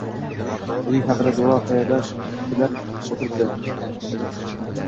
Uning haqiga duoi xayrlar tilab oʻltiribdi